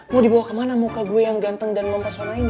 mau dibawa kemana muka gua yang ganteng dan lompat suara ini